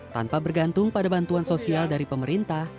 tanpa bergantung pada bantuan sosial dari pemerintah